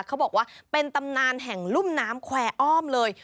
เขาบอกว่าเป็นตำนานแห่งรุ่มน้ำแควร์อ้อมเลย